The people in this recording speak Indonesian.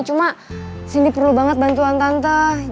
cuma sini perlu banget bantuan tante